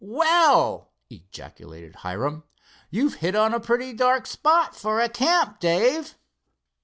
"Well!" ejaculated Hiram, "you've hit on a pretty dark spot for a camp, Dave."